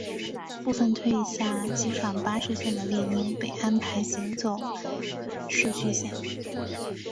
部份退下机场巴士线的猎鹰被安排行走市区线。